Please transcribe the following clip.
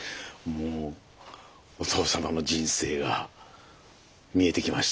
もうお父様の人生が見えてきました。